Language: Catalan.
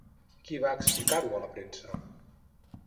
Qui va explicar-ho a la premsa?